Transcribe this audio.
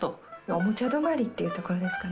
おもちゃ止まりっていうところですかね。